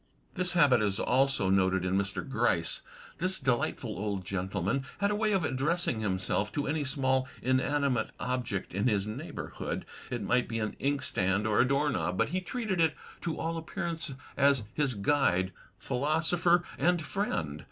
This habit is also noted in Mr. Gryce. This delightful old gentleman had a way of addressing himself to any small inanimate object in his neighborhood. It might be an ink stand or a doorknob, but he treated it, to all appearance, as his guide, philosopher and friend.